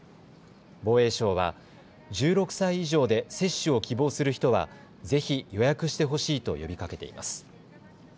防衛省は１６歳以上で接種を希望する人はぜひ予約してほしいと呼びかけています。